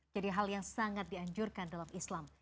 jadi hal yang sangat dianjurkan dalam islam